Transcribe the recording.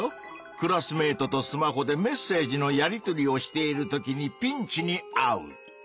クラスメートとスマホでメッセージのやりとりをしているときにピンチにあう！